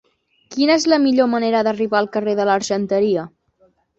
Quina és la millor manera d'arribar al carrer de l'Argenteria?